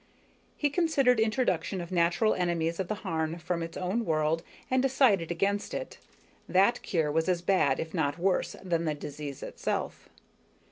He considered introduction of natural enemies of the Harn from its own world, and decided against it. That cure was as bad, if not worse, than the disease itself.